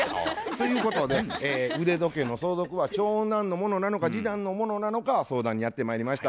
ということで腕時計の相続は長男のものなのか次男のものなのか相談にやってまいりました。